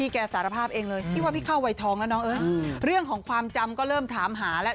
จำไว้ทองแล้วเอิ้นคุณเรื่องของความจำก็เริ่มถามหาแล้ว